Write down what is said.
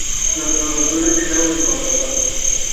Los productores dejaron de contratarlo.